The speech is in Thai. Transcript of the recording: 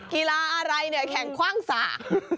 กีฬาอะไรเนี่ยแข่งคว่างสาก